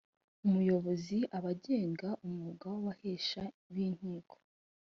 umuyobozi aba agenga umwuga w abahesha b inkiko